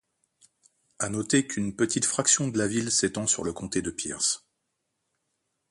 À noter qu’une petite fraction de la ville s’étend sur le comté de Pierce.